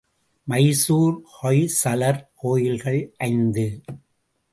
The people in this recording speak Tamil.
மைசூர் ஹொய்சலர் கோயில்கள் ஐந்து.